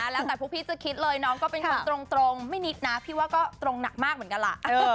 แล้วแต่พวกพี่จะคิดเลยน้องก็เป็นคนตรงไม่นิดนะพี่ว่าก็ตรงหนักมากเหมือนกันล่ะ